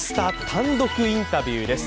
単独インタビューです。